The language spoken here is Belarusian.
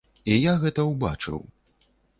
І я гэта ўбачыў.